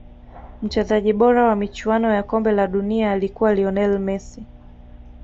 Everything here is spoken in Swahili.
mchezaji bora wa michuano ya kombe la dunia alikuwa lionel messi